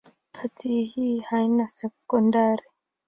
Kata hii haina sekondari.